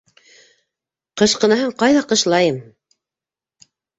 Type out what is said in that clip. Ҡышкынаһын кайҙа кышлайым?